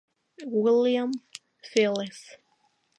William Phillips